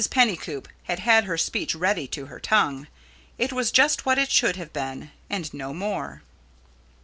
Pennycoop had had her speech ready to her tongue. It was just what it should have been, and no more.